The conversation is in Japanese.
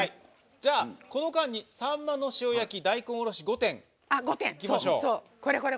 この間に「さんまの塩焼き・大根おろし５点」いきましょう。